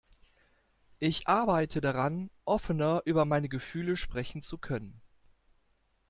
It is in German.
Ich arbeite daran, offener über meine Gefühle sprechen zu können.